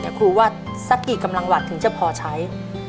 แต่ครูว่าสักกี่กำลังหวัดถึงจะพอใช้